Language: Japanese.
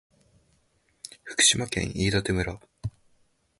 福島県飯舘村